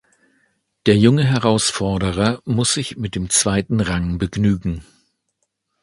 Der junge Herausforderer muss sich mit dem zweiten Rang begnügen.